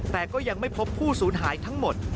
แต่ก็ยังไม่พบผู้สูญหายทั้งหมด